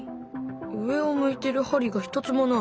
上を向いている針が一つもない。